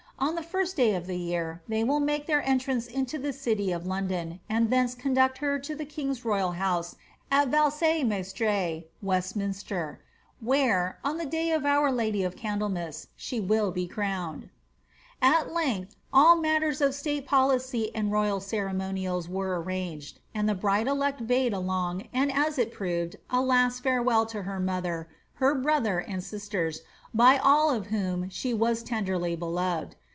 On the first day of the year, they will make their entrance into iliis city of l^ndon, and ihence cuiidiici her to the king^s royal house at Valat maisln (VVest Diuater). Wheie (on the day of our tally of CaniHsnias) she will be ewwned." At length all meitrrs of stale policy and royal ceremonials weic amnged, and the bride elect bade a long, and, as it proved, a last fare well to her mother, her brother, and sisiera, by all of whom she waa tenderly beloved.